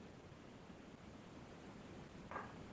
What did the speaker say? তারা এটাকে এভাবেই দেখতে চায়।